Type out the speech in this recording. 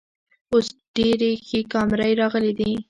اوس ډیرې ښې کامرۍ راغلی ده